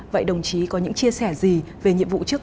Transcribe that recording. vậy đồng chí có những chia sẻ gì về nhiệm vụ trước